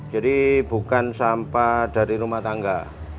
jadi bukan sampah dari rumah tangga